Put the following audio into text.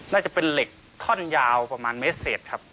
น่าจะเป็นเหล็กท่อนยาวประมาณเมตรเศษครับ